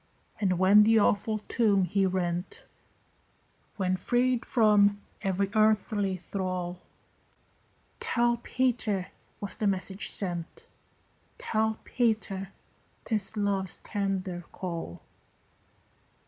And when the awful tomb he rent, When freed from every earthly thrall, "Tell Peter" was the message sent; "Tell Peter" 'tis love's tender call.